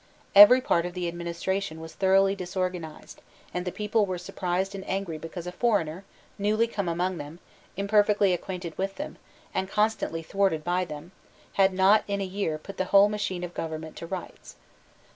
Every part of the administration was thoroughly disorganized; and the people were surprised and angry because a foreigner, newly come among them, imperfectly acquainted with them, and constantly thwarted by them, had not, in a year, put the whole machine of government to rights.